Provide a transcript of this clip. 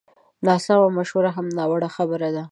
ناسمه مشوره هم ناوړه خبره ده